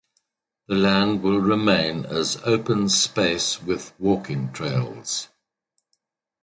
The land will remain as open space with walking trails.